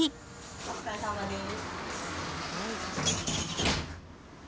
お疲れさまです。